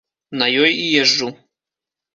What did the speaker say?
На ёй і езджу.